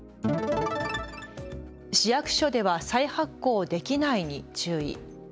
市役所では再発行できないに注意。